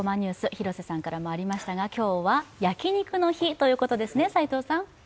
広瀬さんからもありましたが、今日は、焼肉の日ということですね齋藤さん。